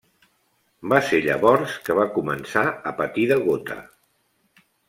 Va ser llavors que va començar a patir de gota.